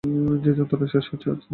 যে যন্ত্রণা শেষ হচ্ছে আজ।